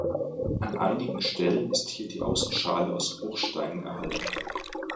An einigen Stellen ist hier die Außenschale aus Bruchsteinen erhalten.